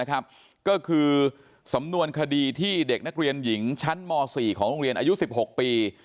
ก็คือสำนวนคดีที่เด็กนักเรียนหญิงชั้นม๔ของโรงเรียนอายุ๑๖ปี